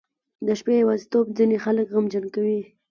• د شپې یوازیتوب ځینې خلک غمجن کوي.